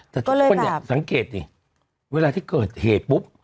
แต่ทุกคนเนี่ยสังเกตดิเวลาที่เกิดเหตุปุ๊บ